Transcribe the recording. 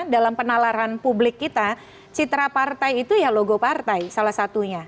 dalam penalaran publik kita citra partai itu ya logo partai salah satunya